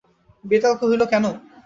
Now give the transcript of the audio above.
বেতাল কহিল, কেন?